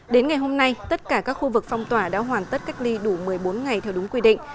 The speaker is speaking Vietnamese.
đến ngày hôm nay tất cả các khu vực phong tỏa đã hoàn tất cách ly đủ một mươi bốn ngày theo đúng quy định